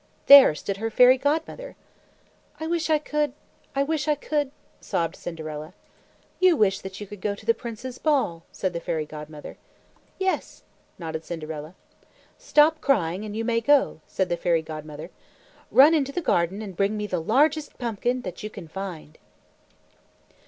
There stood her Fairy Godmother. "I wish I could I wish I could " sobbed Cinderella. "You wish that you could go to the prince's ball," said the Fairy Godmother. "Yes," nodded Cinderella. "Stop crying and you may go," said the Fairy Godmother. "Run into the garden and bring me the largest pumpkin that you can find."